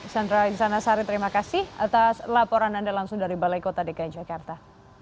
sandra insanasari terima kasih atas laporan anda langsung dari balai kota dki jakarta